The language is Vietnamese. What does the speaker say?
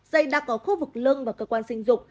dây đặc có khu vực lưng và cơ quan sinh dục